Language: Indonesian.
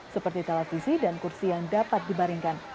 seperti televisi dan kursi yang dapat dibaringkan